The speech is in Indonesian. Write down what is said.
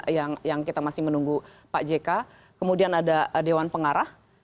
yang kita masih menunggu pak jk kemudian ada dewan pengarah